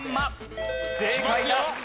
正解だ。